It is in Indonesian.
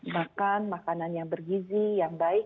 makan makanan yang bergizi yang baik